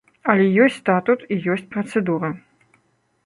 Але ёсць статут і ёсць працэдура.